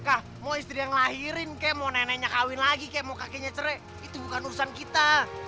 kah mau istri yang ngelahirin kek mau neneknya kawin lagi kek mau kakeknya cerai itu bukan urusan kita